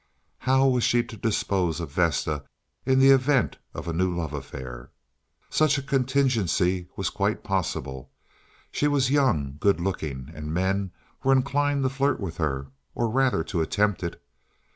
"How was she to dispose of Vesta in the event of a new love affair?" Such a contingency was quite possible. She was young, good looking, and men were inclined to flirt with her, or rather to attempt it.